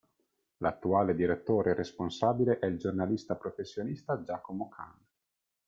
L'attuale direttore responsabile è il giornalista professionista Giacomo Kahn.